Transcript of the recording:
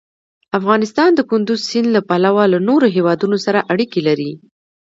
افغانستان د کندز سیند له پلوه له نورو هېوادونو سره اړیکې لري.